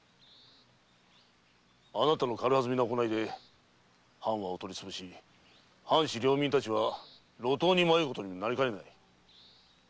あなたの軽はずみな行いで藩はお取り潰し藩士領民たちは路頭に迷うことにもなりかねんのだ。